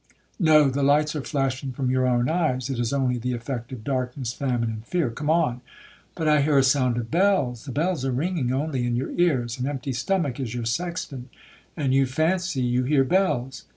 '—'No, the lights are flashing from your own eyes,—it is only the effect of darkness, famine, and fear,—come on.'—'But I hear a sound of bells.'—'The bells are ringing only in your ears,—an empty stomach is your sexton, and you fancy you hear bells.